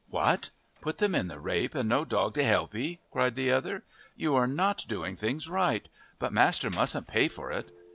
"What! put them in the rape and no dog to help 'ee?" cried the other. "You are not doing things right, but master mustn't pay for it.